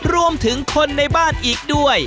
รวมถึงคนในบ้านอีกด้วย